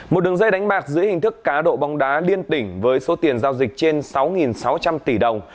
một đường dây đánh bạc dưới hình thức cá độ bóng đá liên tỉnh với số tiền giao dịch trên sáu sáu trăm linh tỷ đồng